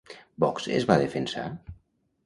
Vox es va defensar?